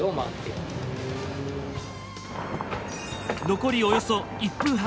残りおよそ１分半。